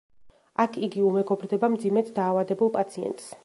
იქ იგი უმეგობრდება მძიმედ დაავადებულ პაციენტს.